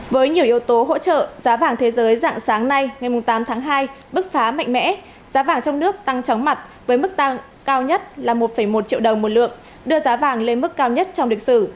với nhiều yếu tố hỗ trợ giá vàng thế giới dạng sáng nay ngày tám tháng hai bức phá mạnh mẽ giá vàng trong nước tăng chóng mặt với mức tăng cao nhất là một một triệu đồng một lượng đưa giá vàng lên mức cao nhất trong lịch sử